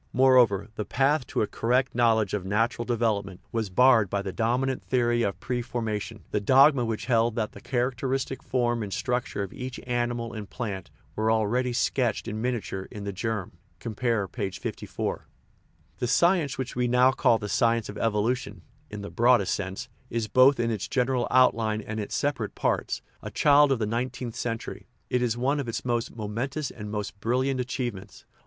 Moreover, the path to a correct knowledge 238 THE EVOLUTION O'F THE WORLD of natural development was barred by the dominant theory of preformation, the dogma which held that the characteristic form and structure of each animal and plant were already sketched in miniature in the germ (cf. p. 54). The science which we now call the science of evolu tion (in the broadest sense) is, both in its general out line and in its separate parts, a child of the nineteenth century; it is one of its most momentous and most brilliant achievements.